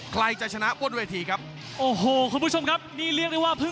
ใครจะชนะบ้นเวทีครับ